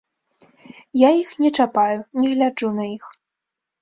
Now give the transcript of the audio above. Я іх не чапаю, не гляджу на іх.